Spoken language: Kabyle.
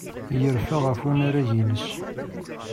Yerfa ɣef unarag-nnes.